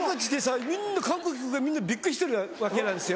みんな観光客がみんなびっくりしてるわけなんですよ。